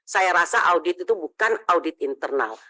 saya rasa audit itu bukan audit internal